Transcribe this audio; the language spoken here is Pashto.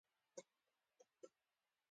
زه خواشینی شوم.